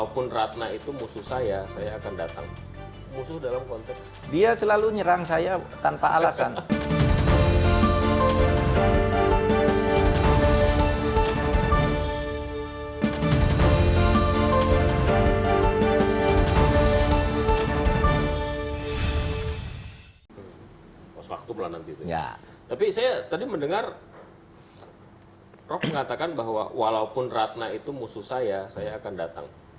prof mengatakan bahwa walaupun ratna itu musuh saya saya akan datang